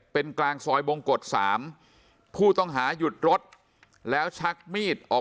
เป็นกลางซอยบงกฎ๓ผู้ต้องหาหยุดรถแล้วชักมีดออก